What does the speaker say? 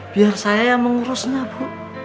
biar saya yang mengurusnya bu